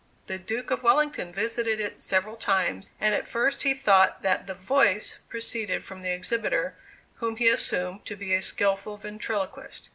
The Duke of Wellington visited it several times, and at first he thought that the "voice" proceeded from the exhibitor, whom he assumed to be a skillful ventriloquist.